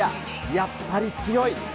やっぱり強い。